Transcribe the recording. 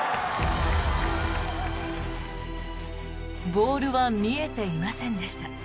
ボールは見えていませんでした。